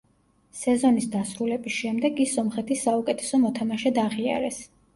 სეზონის დასრულების შემდეგ ის სომხეთის საუკეთესო მოთამაშედ აღიარეს.